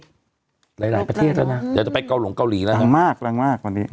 หลายหลายประเทศแล้วนะเดี๋ยวจะไปเกาหลงเกาหลีแล้วดังมากแรงมากตอนนี้